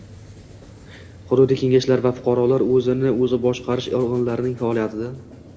hududiy kengashlar va fuqarolar o‘zini o‘zi boshqarish organlarining faoliyatida